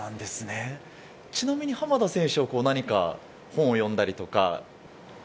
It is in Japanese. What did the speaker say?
ちなみに浜田選手は、何か本を読んだりとか？